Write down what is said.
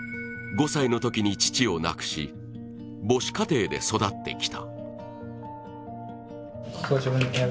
５歳の時に父を亡くし、母子家庭で育ってきた。